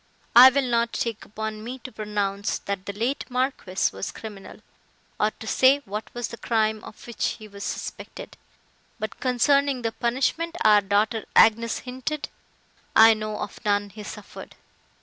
I will not take upon me to pronounce, that the late Marquis was criminal, or to say what was the crime of which he was suspected; but, concerning the punishment our daughter Agnes hinted, I know of none he suffered.